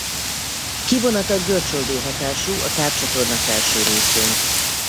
Kivonata görcsoldó hatású a tápcsatorna felső részén.